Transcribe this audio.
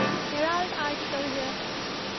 Herald article here.